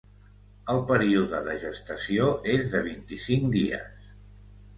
El període de gestació és de vint-i-cinc dies.